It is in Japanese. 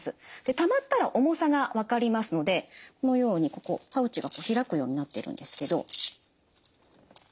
たまったら重さが分かりますのでこのようにここパウチが開くようになってるんですけど。